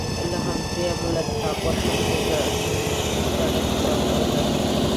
له همدې امله د ټاګور شخصیت زاړه کړه وړه لري.